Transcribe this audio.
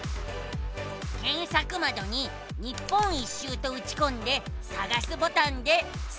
けんさくまどに日本一周とうちこんでさがすボタンでスクるのさ。